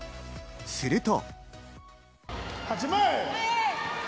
すると。